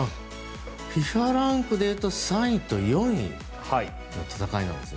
ＦＩＦＡランクでいうと３位と４位なんですね。